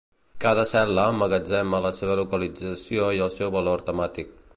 Cada cel·la emmagatzema la seva localització i el seu valor temàtic.